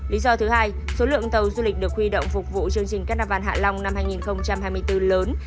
lý do thứ hai số lượng tàu du lịch được huy động phục vụ chương trình các na van hạ long năm hai nghìn hai mươi bốn lớn